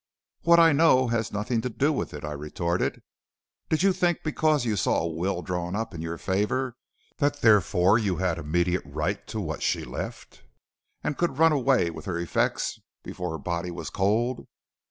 "'What I know has nothing to do with it,' I retorted. 'Did you think because you saw a will drawn up in your favor that therefore you had immediate right to what she left, and could run away with her effects before her body was cold?